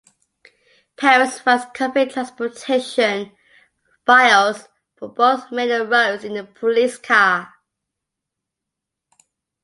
Paris finds convict-transportation files for both Maine and Rhodes in the police car.